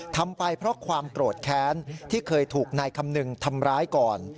ทำไปเพราะความโกรธแค้นที่เคยถูกนายคำนึงทำร้ายก่อน